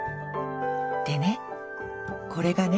でねこれがね